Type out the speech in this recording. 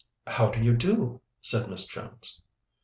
"How do you do?" said Miss Jones.